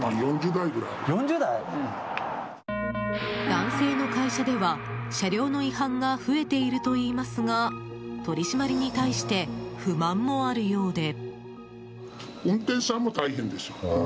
男性の会社では、車両の違反が増えているといいますが取り締まりに対して不満もあるようで。